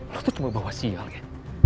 lo tuh cuma bawa sial ya